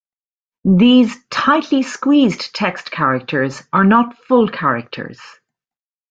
These "tightly squeezed" text characters are not full characters.